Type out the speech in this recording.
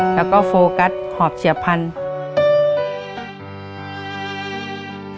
แล้วก็โฟกัสหอบเฉียบพันธุ์